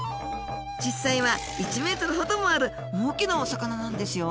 実際は１ｍほどもある大きなお魚なんですよ！